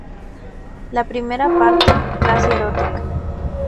La primera parte, casi erótica.